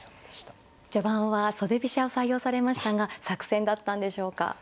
序盤は袖飛車を採用されましたが作戦だったんでしょうか。